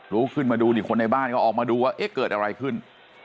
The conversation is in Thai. ลุกขึ้นมาดูนี่คนในบ้านก็ออกมาดูว่าเอ๊ะเกิดอะไรขึ้น